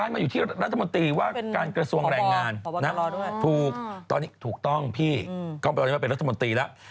มีเป็นรัฐมนตรีอีกอันหนึ่งเลยลักษมณาเจออะไรสักหนึ่ง